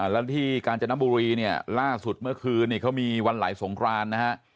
และที่การจนบุรีล่าสุดเมื่อคืนวันหลายสงครรณนะฮะ